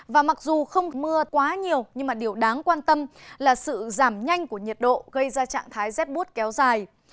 và mặc dù không mưa quá nhiều nhưng điều đáng quan tâm là sự giảm nhanh của nhiệt độ gây ra trạng thái rét bút kéo dài